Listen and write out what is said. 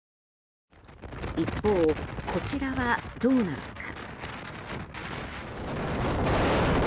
一方、こちらはどうなのか。